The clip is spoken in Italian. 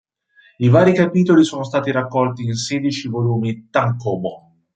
I vari capitoli sono stati raccolti in sedici volumi "tankōbon".